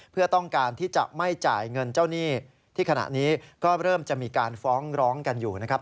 เพื่อต้องการที่จะไม่จ่ายเงินเจ้าหนี้ที่ขณะนี้ก็เริ่มจะมีการฟ้องร้องกันอยู่นะครับ